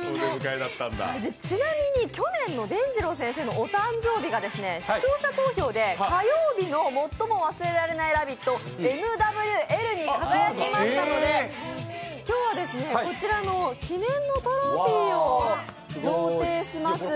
ちなみに去年のでんじろう先生のお誕生日が、視聴者投票で火曜日の最も忘れられない「ラヴィット！」＝ＭＷＬに輝きましたので今日はこちらの記念のトロフィーを贈呈します。